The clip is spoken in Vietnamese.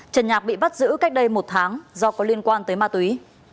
trần nhạc bị bắt giữ cách đây một tháng do có liên quan tới ma túy